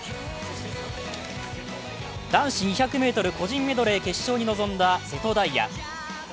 男子２００ｍ個人メドレー決勝に臨んだ瀬戸大也。